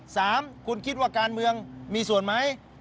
สามคุณคิดว่าการเมืองมีส่วนไหม